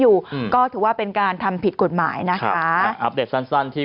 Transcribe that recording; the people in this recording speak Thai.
อยู่อืมก็ถือว่าเป็นการทำผิดกฎหมายนะคะอัปเดตสั้นสั้นที่